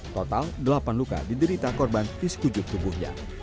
total delapan luka diderita korban di sekujur tubuhnya